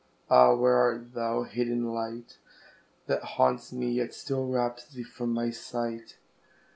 Ah! where art thou, hid in light That haunts me, yet still wraps thee from my sight?